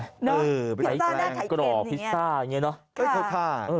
เออพิซซ่าน่าไข่เค็มอย่างนี้เออคอทา